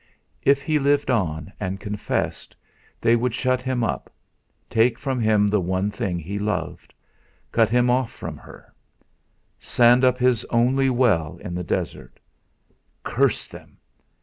If he lived on, and confessed, they would shut him up, take from him the one thing he loved, cut him off from her; sand up his only well in the desert. Curse them!